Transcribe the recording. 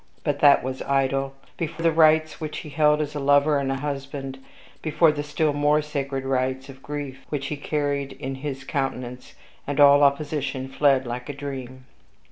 But that was idle: before the rights which he held as a lover and a husband before the still more sacred rights of grief, which he carried in his countenance, all opposition fled like a dream.